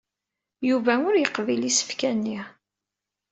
Yuba ur yeqbil isefka-nni.